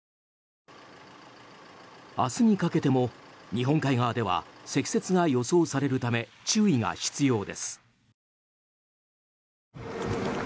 明日にかけても日本海側では積雪が予想されるため注意が必要です。